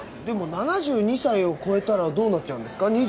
でも７２歳を超えたらどうなっちゃうんですか？